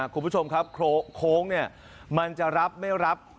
คุณผู้ชมครับโค้งเนี่ยมันจะรับไม่รับ